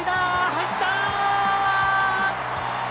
入った！